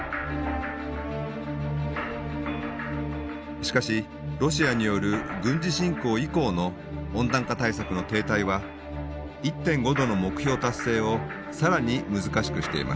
しかしロシアによる軍事侵攻以降の温暖化対策の停滞は１．５℃の目標達成を更に難しくしています。